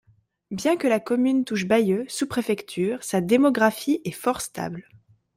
Bien que la commune touche Bayeux, sous-préfecture, sa démographie est fort stable.